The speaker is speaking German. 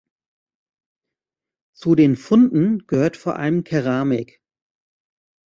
Zu den Funden gehört vor allem Keramik.